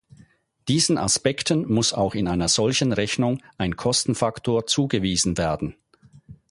Diesen Aspekten muss auch in einer solchen Rechnung ein Kostenfaktor zugewiesen werden.